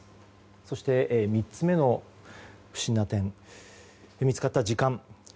そして、３つ目の不審な点は見つかった時間。